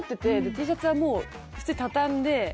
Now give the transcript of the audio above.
Ｔシャツはもう普通に畳んで。